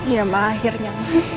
iya mbak akhirnya